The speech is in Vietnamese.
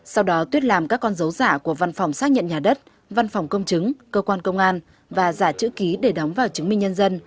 sau đó tuyết làm các con dấu giả của văn phòng xác nhận nhà đất văn phòng công chứng cơ quan công an và giả chữ ký để đóng vào chứng minh nhân dân